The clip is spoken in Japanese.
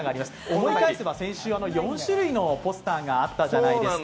思い返せば先週、４種類のポスターがあったじゃないですか。